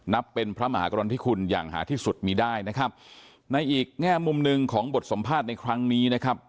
เป็นพระมหากรณฑิคุณอย่างหาที่สุดมีได้นะครับในอีกแง่มุมหนึ่งของบทสัมภาษณ์ในครั้งนี้นะครับ